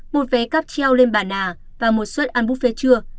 một vé cap treo lên bàn à và một suất ăn buffet trưa